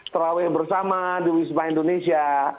terawih bersama di wisma indonesia